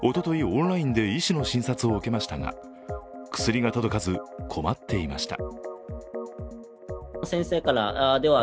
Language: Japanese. オンラインで医師の診察を受けましたが、薬が届かず、困っていました。